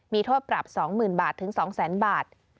มีโทษปรับ๒๐๐๐บาทถึง๒๐๐๐๐บาท